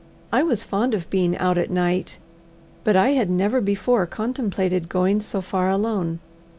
I was fond of being out at night, but I had never before contemplated going so far alone.